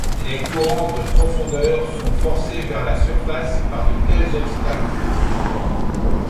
Les courants de profondeurs sont forcés vers la surface par de tels obstacles.